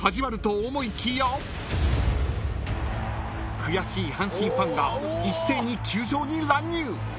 ［悔しい阪神ファンが一斉に球場に乱入！］